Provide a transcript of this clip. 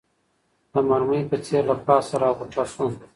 د مرمۍ په څېر له پاسه راغوټه سو